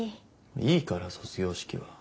いいから卒業式は。